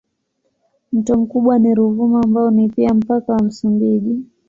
Mto mkubwa ni Ruvuma ambao ni pia mpaka wa Msumbiji.